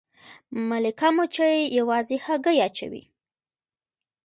ملکه مچۍ یوازې هګۍ اچوي